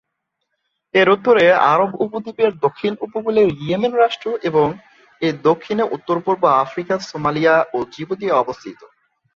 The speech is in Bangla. এর উত্তরে আরব উপদ্বীপের দক্ষিণ উপকূলের ইয়েমেন রাষ্ট্র এবং এর দক্ষিণে উত্তর-পূর্ব আফ্রিকার সোমালিয়া ও জিবুতি অবস্থিত।